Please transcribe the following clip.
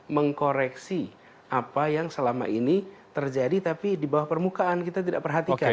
mengkoreksi apa yang selama ini terjadi tapi di bawah permukaan kita tidak perhatikan